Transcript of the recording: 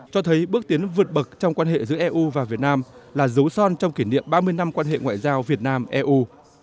cho thấy bước tiến vượt bậc trong quan hệ giữa eu và việt nam là dấu son trong kỷ niệm ba mươi năm quan hệ ngoại giao việt nam eu